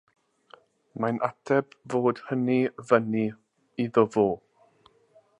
Mae'n ateb fod hynny fyny iddo fo.